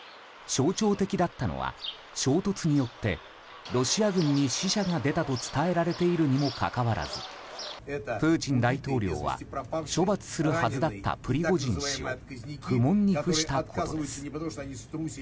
象徴的だったのは衝突によってロシア軍に死者が出たと伝えられているにもかかわらずプーチン大統領は処罰するはずだったプリゴジン氏を不問に付したことです。